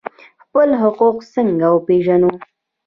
خپل حقوق څنګه وپیژنو؟